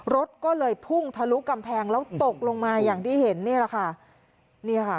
รถก็เลยพุ่งทะลุกำแพงแล้วตกลงมาอย่างที่เห็นนี่แหละค่ะเนี่ยค่ะ